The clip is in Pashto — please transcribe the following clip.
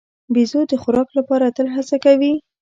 بیزو د خوراک لپاره تل هڅه کوي.